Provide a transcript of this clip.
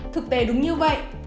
thực tế đúng như vậy